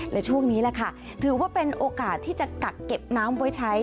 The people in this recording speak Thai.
และช่วงนี้แหละค่ะถือว่าเป็นโอกาสที่จะกักเก็บน้ำไว้ใช้